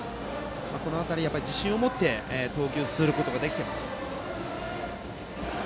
この辺りは自信を持って投球することができています。